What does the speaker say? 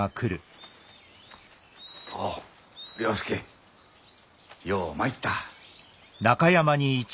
おお了助よう参った。